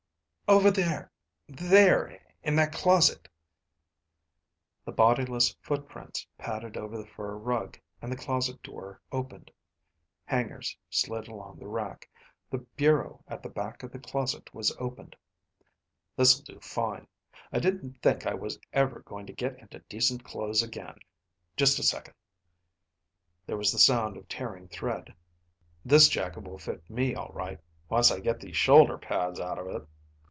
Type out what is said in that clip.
"Over there ... there in that closet." The bodiless footprints padded over the fur rug, and the closet door opened. Hangers slid along the rack. The bureau at the back of the closet was opened. "This'll do fine. I didn't think I was ever going to get into decent clothes again. Just a second." There was the sound of tearing thread. "This jacket will fit me all right, once I get these shoulder pads out of it."